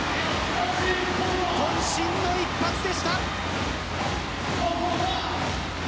こん身の一発でした。